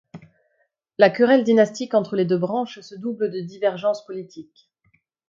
La querelle dynastique entre les deux branches se double de divergences politiques.